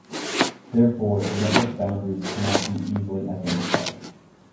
Therefore, network boundaries cannot be easily identified.